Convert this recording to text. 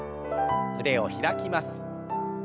腕を開きます。